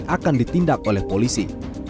akan ditindak oleh polisi